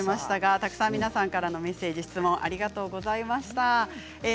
たくさん皆さんからのメッセージ質問、ありがとうございました。